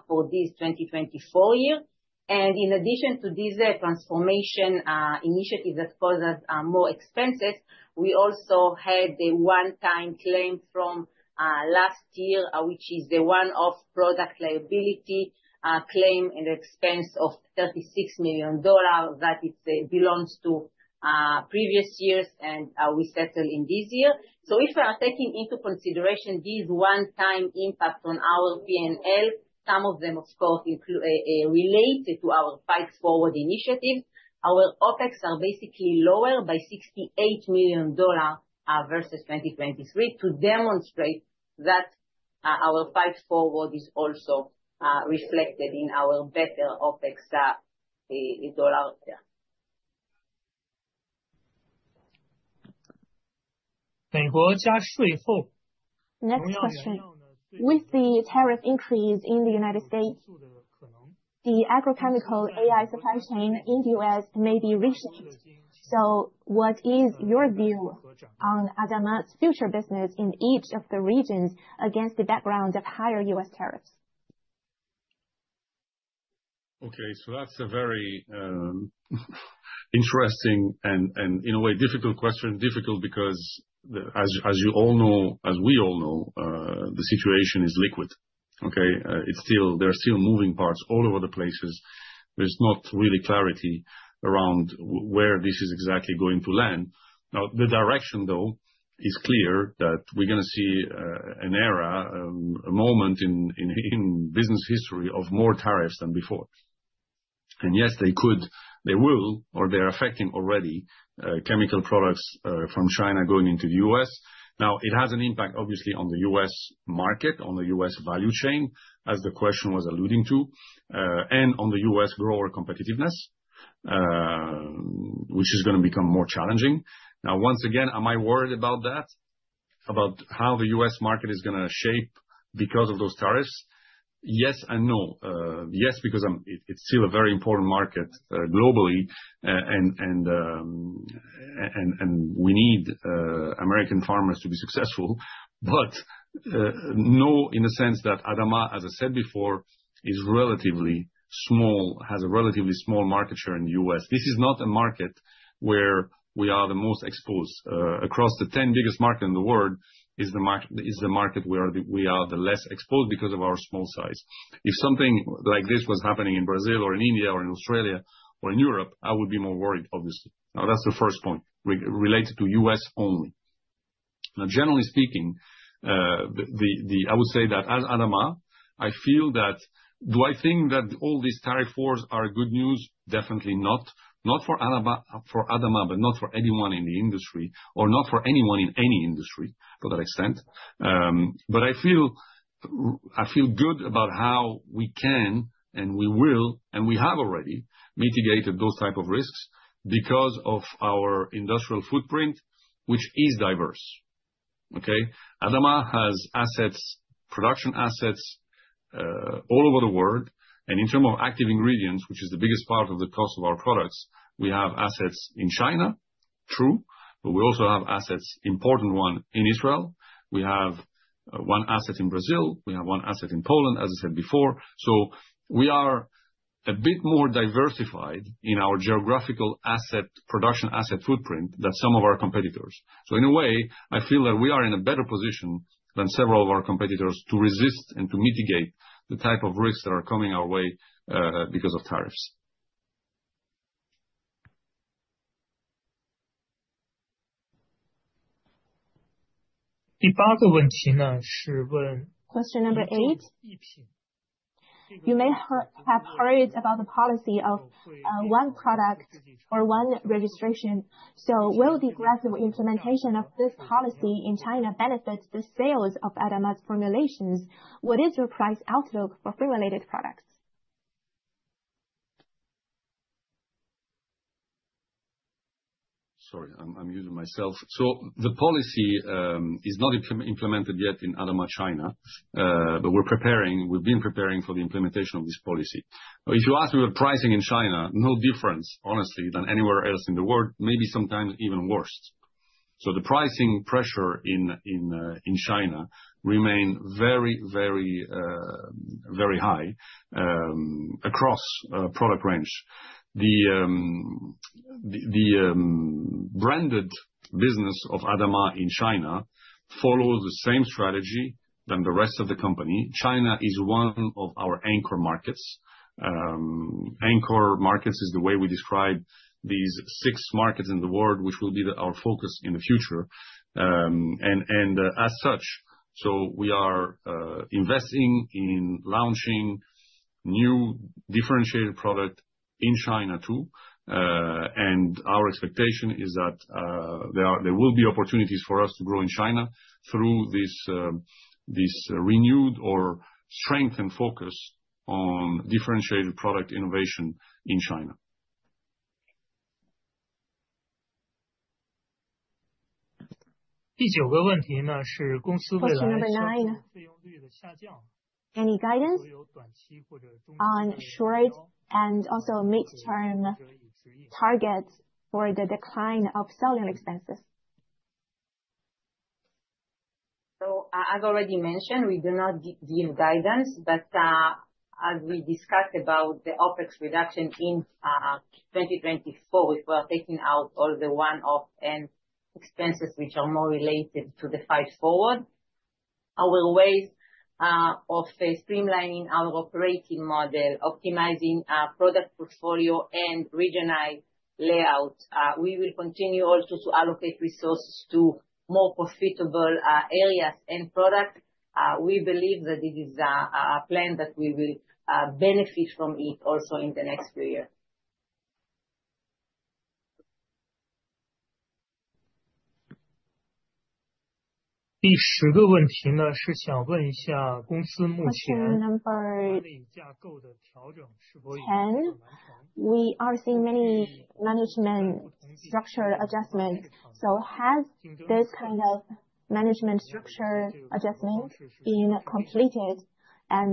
for this 2024 year. In addition to this transformation initiative that causes more expenses, we also had the one-time claim from last year, which is the one-off product liability claim and the expense of $36 million that belongs to previous years, and we settled in this year. If we are taking into consideration these one-time impacts on our P&L, some of them, of course, relate to our Fight Forward initiatives. Our OpEx are basically lower by $68 million versus 2023 to demonstrate that our Fight Forward is also reflected in our better OpEx dollar there. Next question. With the tariff increase in the United States, the agrochemical AI supply chain in the U.S. may be reshaped. What is your view on ADAMA's future business in each of the regions against the background of higher U.S. tariffs? Okay, so that's a very interesting and, in a way, difficult question. Difficult because, as you all know, as we all know, the situation is liquid. Okay? There are still moving parts all over the place. There's not really clarity around where this is exactly going to land. Now, the direction, though, is clear that we're going to see an era, a moment in business history of more tariffs than before. Yes, they could, they will, or they're affecting already chemical products from China going into the U.S. Now, it has an impact, obviously, on the U.S. market, on the U.S. value chain, as the question was alluding to, and on the U.S. grower competitiveness, which is going to become more challenging. Now, once again, am I worried about that, about how the U.S. market is going to shape because of those tariffs? Yes and no. Yes, because it's still a very important market globally, and we need American farmers to be successful. No, in the sense that ADAMA, as I said before, is relatively small, has a relatively small market share in the U.S. This is not a market where we are the most exposed. Across the 10 biggest markets in the world, it is the market where we are the less exposed because of our small size. If something like this was happening in Brazil or in India or in Australia or in Europe, I would be more worried, obviously. Now, that's the first point related to U.S. only. Generally speaking, I would say that as ADAMA, I feel that, do I think that all these tariff wars are good news? Definitely not. Not for ADAMA, but not for anyone in the industry, or not for anyone in any industry to that extent. I feel good about how we can and we will, and we have already mitigated those types of risks because of our industrial footprint, which is diverse. Okay? ADAMA has assets, production assets all over the world. In terms of active ingredients, which is the biggest part of the cost of our products, we have assets in China, true, but we also have assets, important one, in Israel. We have one asset in Brazil. We have one asset in Poland, as I said before. We are a bit more diversified in our geographical asset production asset footprint than some of our competitors. In a way, I feel that we are in a better position than several of our competitors to resist and to mitigate the type of risks that are coming our way because of tariffs. Question number eight. You may have heard about the policy of one product or one registration. Will the aggressive implementation of this policy in China benefit the sales of ADAMA's formulations? What is your price outlook for formulated products? Sorry, I'm using myself. The policy is not implemented yet in ADAMA China, but we're preparing. We've been preparing for the implementation of this policy. If you ask me about pricing in China, no difference, honestly, than anywhere else in the world, maybe sometimes even worse. The pricing pressure in China remains very, very, very high across product range. The branded business of ADAMA in China follows the same strategy as the rest of the company. China is one of our anchor markets. Anchor markets is the way we describe these six markets in the world, which will be our focus in the future. As such, we are investing in launching new differentiated products in China too. Our expectation is that there will be opportunities for us to grow in China through this renewed or strengthened focus on differentiated product innovation in China. Question number nine. Any guidance on short and also mid-term targets for the decline of selling expenses? As already mentioned, we do not give guidance. But as we discussed about the OpEx reduction in 2024, if we are taking out all the one-off and expenses which are more related to the Fight Forward, our ways of streamlining our operating model, optimizing our product portfolio, and regional layout, we will continue also to allocate resources to more profitable areas and products. We believe that this is a plan that we will benefit from it also in the next few years. Question number. We are seeing many management structure adjustments. Has this kind of management structure adjustment been completed?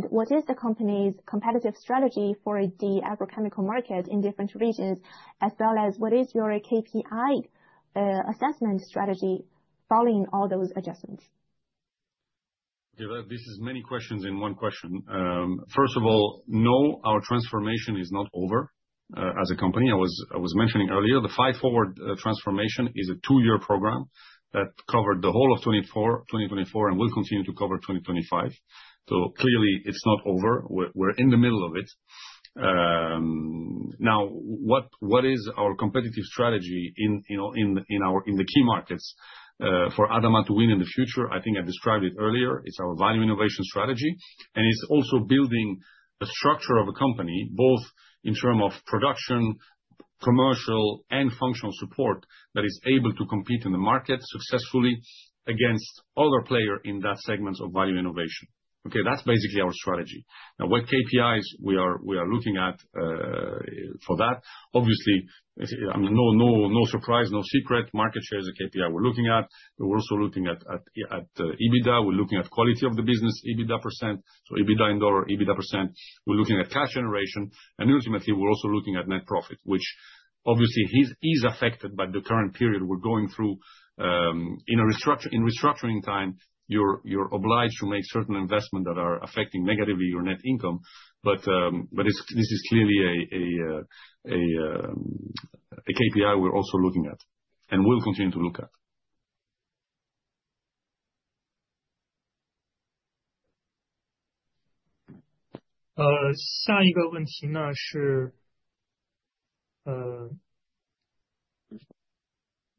What is the company's competitive strategy for the agrochemical market in different regions, as well as what is your KPI assessment strategy following all those adjustments? This is many questions in one question. First of all, no, our transformation is not over as a company. I was mentioning earlier, the Fight Forward transformation is a two-year program that covered the whole of 2024 and will continue to cover 2025. Clearly, it's not over. We're in the middle of it. Now, what is our competitive strategy in the key markets for ADAMA to win in the future? I think I described it earlier. It's our value innovation strategy. It's also building a structure of a company, both in terms of production, commercial, and functional support that is able to compete in the market successfully against other players in that segment of value innovation. Okay? That's basically our strategy. Now, what KPIs we are looking at for that? Obviously, no surprise, no secret, market share is a KPI we're looking at. We're also looking at EBITDA. We're looking at quality of the business, EBITDA percent. So EBITDA in dollar, EBITDA percent. We're looking at cash generation. And ultimately, we're also looking at net profit, which obviously is affected by the current period we're going through. In restructuring time, you're obliged to make certain investments that are affecting negatively your net income. But this is clearly a KPI we're also looking at and will continue to look at.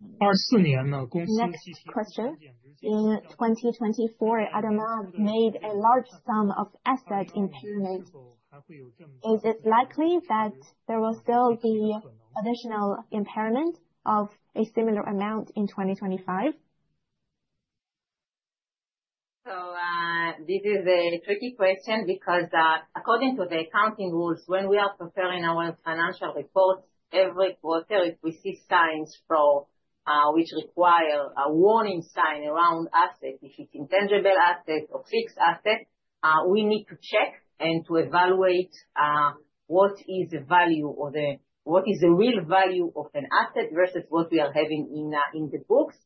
In 2024, ADAMA made a large sum of assets impaired. Is it likely that there will still be additional impairment of a similar amount in 2025? This is a tricky question because, according to the accounting rules, when we are preparing our financial reports every quarter, if we see signs which require a warning sign around assets, if it's intangible assets or fixed assets, we need to check and to evaluate what is the value or what is the real value of an asset versus what we are having in the books.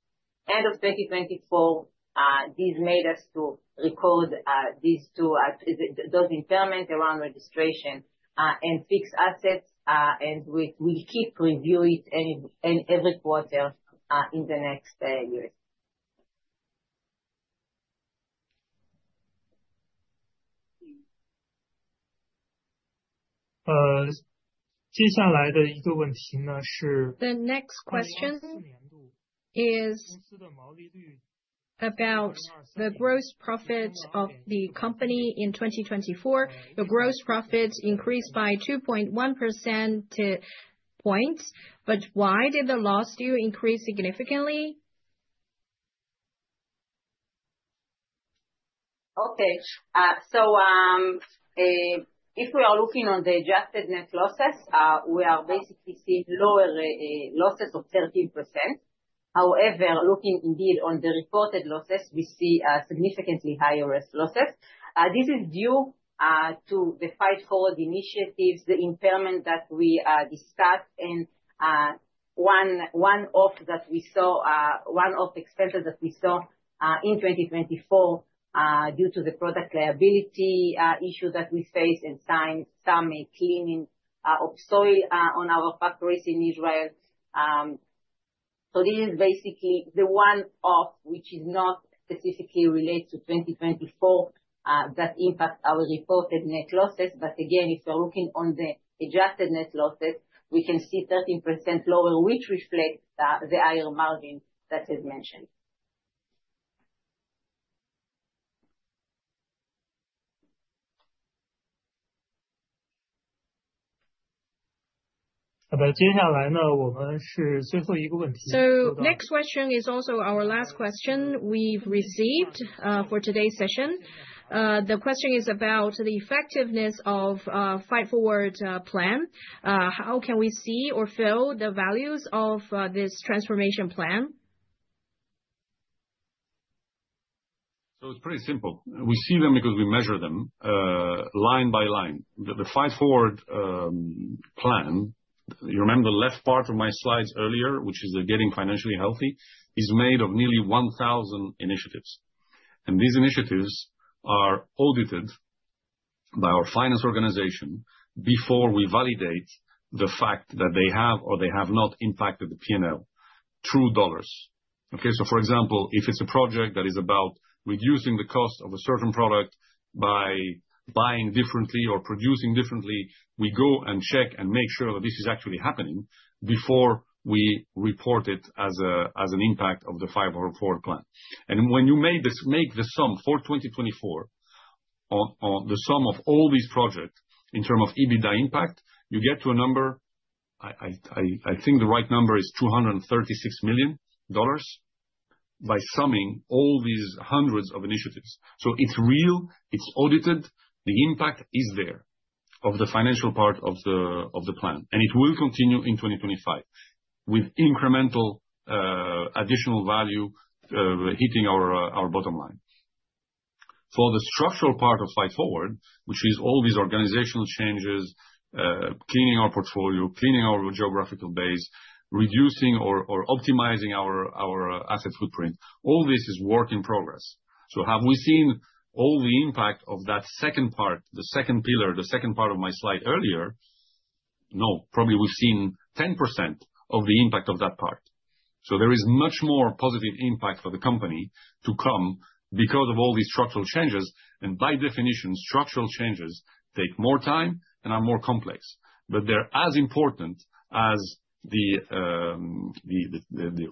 End of 2024, this made us to record those impairments around registration and fixed assets, and we will keep reviewing it every quarter in the next years. The next question is about the gross profit of the company in 2024. The gross profits increased by 2.1 percentage points. Why did the loss do increase significantly? Okay. If we are looking on the adjusted net losses, we are basically seeing lower losses of 13%. However, looking indeed on the reported losses, we see significantly higher losses. This is due to the Fight Forward initiatives, the impairment that we discussed, and one-off that we saw, one-off expenses that we saw in 2024 due to the product liability issue that we faced and signed some cleaning of soil on our factories in Israel. This is basically the one-off which is not specifically related to 2024 that impacts our reported net losses. Again, if we're looking on the adjusted net losses, we can see 13% lower, which reflects the higher margin that has mentioned. The next question is also our last question we've received for today's session. The question is about the effectiveness of the Fight Forward plan. How can we see or feel the values of this transformation plan? It is pretty simple. We see them because we measure them line by line. The Fight Forward plan, you remember the left part of my slides earlier, which is the getting financially healthy, is made of nearly 1,000 initiatives. These initiatives are audited by our finance organization before we validate the fact that they have or they have not impacted the P&L through dollars. Okay? For example, if it is a project that is about reducing the cost of a certain product by buying differently or producing differently, we go and check and make sure that this is actually happening before we report it as an impact of the Fight Forward plan. When you make the sum for 2024, the sum of all these projects in terms of EBITDA impact, you get to a number. I think the right number is $236 million by summing all these hundreds of initiatives. It is real. It is audited. The impact is there of the financial part of the plan. It will continue in 2025 with incremental additional value hitting our bottom line. For the structural part of Fight Forward, which is all these organizational changes, cleaning our portfolio, cleaning our geographical base, reducing or optimizing our asset footprint, all this is work in progress. Have we seen all the impact of that second part, the second pillar, the second part of my slide earlier? No, probably we have seen 10% of the impact of that part. There is much more positive impact for the company to come because of all these structural changes. By definition, structural changes take more time and are more complex. They are as important as the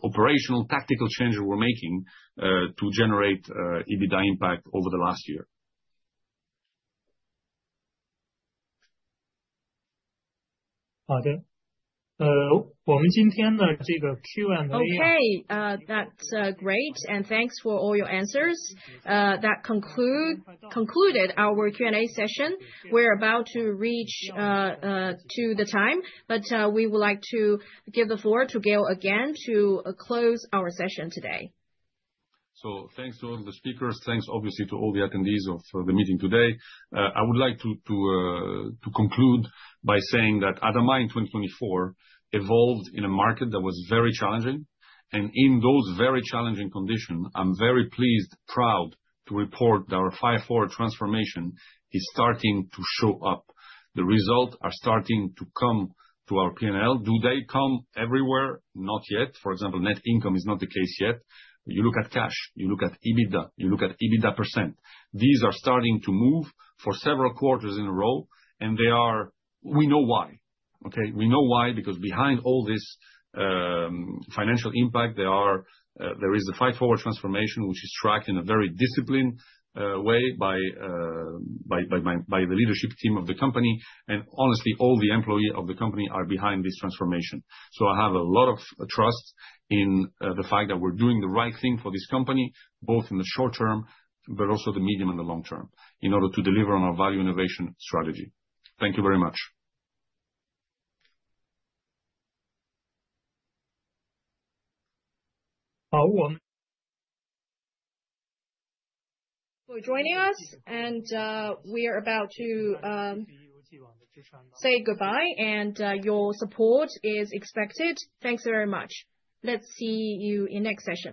operational tactical changes we're making to generate EBITDA impact over the last year. Okay. That's great. Thanks for all your answers. That concluded our Q&A session. We are about to reach the time, but we would like to give the floor to Gaël again to close our session today. Thanks to all the speakers. Thanks, obviously, to all the attendees of the meeting today. I would like to conclude by saying that ADAMA in 2024 evolved in a market that was very challenging. In those very challenging conditions, I'm very pleased, proud to report that our Fight Forward transformation is starting to show up. The results are starting to come to our P&L. Do they come everywhere? Not yet. For example, net income is not the case yet. You look at cash. You look at EBITDA. You look at EBITDA percent. These are starting to move for several quarters in a row. We know why. Okay? We know why because behind all this financial impact, there is the Fight Forward transformation, which is tracked in a very disciplined way by the leadership team of the company. Honestly, all the employees of the company are behind this transformation. I have a lot of trust in the fact that we're doing the right thing for this company, both in the short term, but also the medium and the long term in order to deliver on our value innovation strategy. Thank you very much. For joining us. We are about to say goodbye. Your support is expected. Thanks very much. Let's see you in next session.